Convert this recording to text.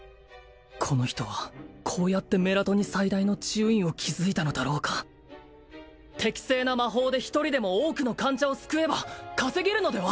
この人はこうやってメラトニ最大の治癒院を築いたのだろうか適正な魔法で一人でも多くの患者を救えば稼げるのでは？